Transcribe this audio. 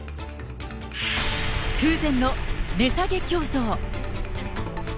空前の値下げ競争。